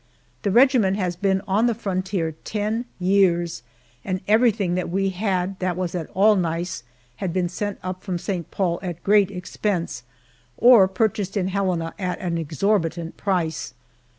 The regiment has been on the frontier ten years, and everything that we had that was at all nice had been sent up from St. Paul at great expense, or purchased in Helena at an exorbitant price.